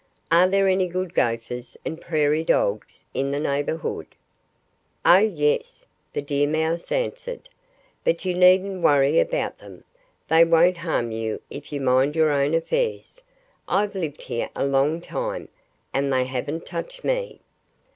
... Are there any good Gophers and Prairie Dogs in the neighborhood?" "Oh, yes!" the deer mouse answered. "But you needn't worry about them. They won't harm you if you mind your own affairs. I've lived here a long time; and they haven't touched me."